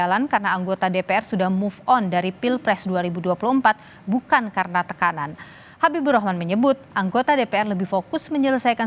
anggota dpr lebih fokus menyelesaikan